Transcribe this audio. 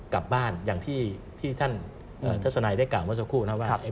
กลับบ้านอย่างที่ท่านทัศนัยได้กล่าวเมื่อสักครู่นะว่า